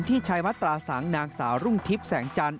ชายมัตราสังนางสาวรุ่งทิพย์แสงจันท